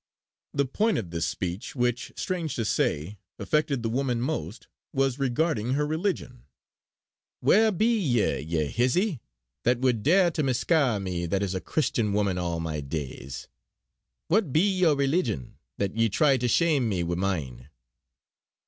The point of this speech which, strange to say, affected the woman most was regarding her religion: "Wha be ye, ye hizzie, that wad daur to misca' me that is a Christian woman all my days. What be your releegion, that ye try to shame me wi' mine."